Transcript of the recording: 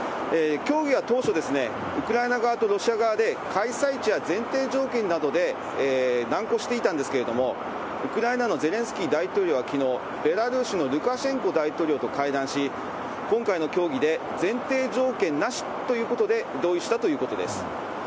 協議は当初、ウクライナ側とロシア側で開催地や前提条件などで難航していたんですけれども、ウクライナのゼレンスキー大統領はきのう、ベラルーシのルカシェンコ大統領と会談し、今回の協議で前提条件なしということで同意したということです。